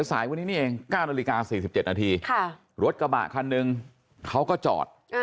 สายวันนี้นี่เอง๙นาฬิกา๔๗นาทีรถกระบะคันหนึ่งเขาก็จอด